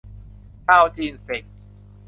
ชาวจีนเซ็ง !